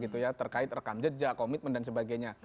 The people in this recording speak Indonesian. terkait rekam jejak komitmen dan sebagainya